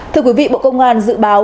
thưa quý vị bộ công an dự báo